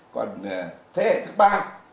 còn thế hệ thứ ba